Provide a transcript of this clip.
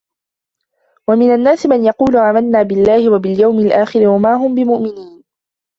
وَمِنَ النَّاسِ مَنْ يَقُولُ آمَنَّا بِاللَّهِ وَبِالْيَوْمِ الْآخِرِ وَمَا هُمْ بِمُؤْمِنِينَ